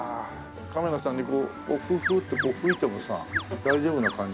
カメラさんにこうフッフッと拭いてもさ大丈夫な感じ。